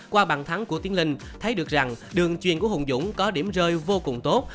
qua bàn thắng của tiến linh thấy được rằng đường chuyên của hùng dũng có điểm rơi vô cùng tốt